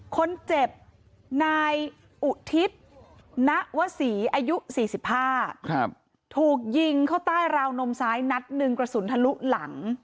คนเจ็บนายอุทิศณวศรีอายุ๔๕ถูกยิงเข้าใต้ราวนมซ้ายนัดหนึ่งกระสุนทะลุหลัง